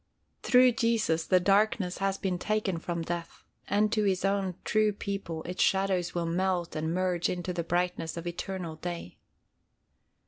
Through Jesus the darkness has been taken from death, and to His own true people its shadows will melt and merge into the brightness of eternal day.